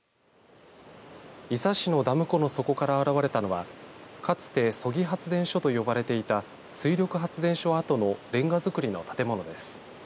伊佐市のダム湖の底から現れたのはかつて曽木発電所と呼ばれていた水力発電所跡のレンガ造りの建物です。